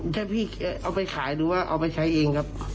ถ้าพี่เอาไปขายหรือว่าเอาไปใช้เองครับ